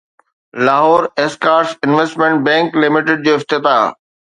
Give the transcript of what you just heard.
Lahore Escorts investment bank limited جو افتتاح